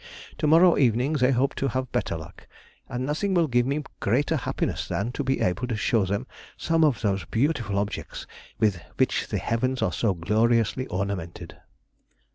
To morrow evening they hope to have better luck, and nothing will give me greater happiness than to be able to show them some of those beautiful objects with which the heavens are so gloriously ornamented.